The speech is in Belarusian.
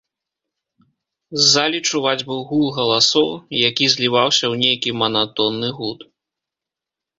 З залі чуваць быў гул галасоў, які зліваўся ў нейкі манатонны гуд.